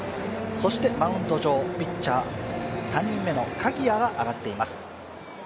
そしてマウンド上、ピッチャー、３人目の鍵谷が上がっています。